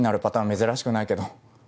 珍しくないけど。